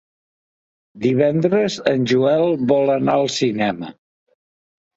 Divendres en Joel vol anar al cinema.